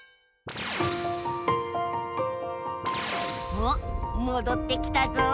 おっもどってきたぞ。